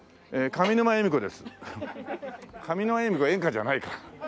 上沼恵美子は演歌じゃないか。